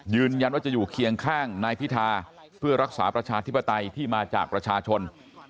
ยืนยันว่าจะอยู่เคียงข้างนายพิธาเพื่อรักษาประชาธิปไตยที่มาจากประชาชน